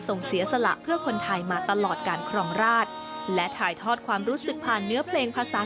เสียสละเพื่อคนไทยมาตลอดการครองราชและถ่ายทอดความรู้สึกผ่านเนื้อเพลงภาษา